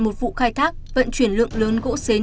một vụ khai thác vận chuyển lượng lớn gỗ xến